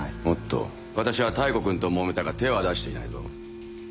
おっと私は妙子君ともめたが手は出していないぞ。